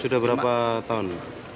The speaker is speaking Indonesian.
tidak ada satu tahun